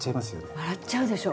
笑っちゃうでしょ？